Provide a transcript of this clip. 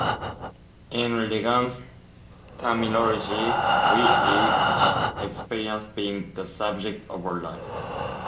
In Regan's terminology, we each experience being the subject-of-a-life.